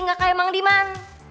gak kayak mang diman